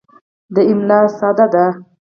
دا املا ساده ده.